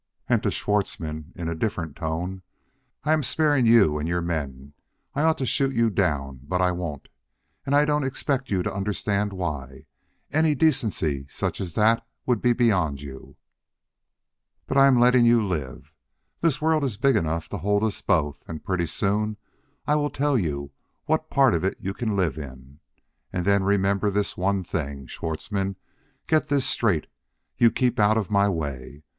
And to Schwartzmann, in a different tone: "I am sparing you and your men. I ought to shoot you down, but I won't. And I don't expect you to understand why; any decency such as that would beyond you. "But I am letting you live. This world is big enough to hold us both, and pretty soon I will tell you what part of it you can live in. And then remember this one thing, Schwartzmann get this straight! you keep out of my way.